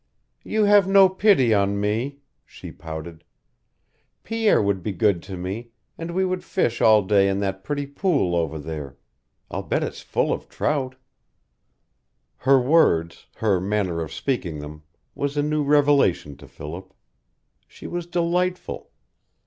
"You have no pity on me," she pouted. "Pierre would be good to me, and we would fish all day in that pretty pool over there. I'll bet it's full of trout." Her words, her manner of speaking them, was a new revelation to Philip. She was delightful.